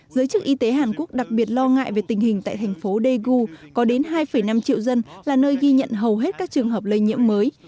giới chức y tế hàn quốc đặc biệt lo ngại về tình hình tại thành phố daegu có đến hai năm triệu dân là nơi ghi nhận hầu hết các trường hợp lây nhiễm mới